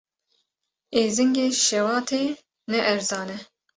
Êzingê şewatê ne erzan e.